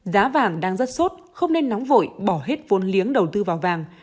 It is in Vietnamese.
giá vàng đang rất sốt không nên nóng vội bỏ hết vốn liếng đầu tư vào vàng